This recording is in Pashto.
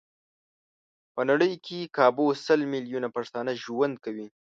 په نړۍ کې کابو سل ميليونه پښتانه ژوند کوي.